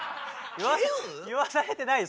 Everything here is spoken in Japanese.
言わされてないよ！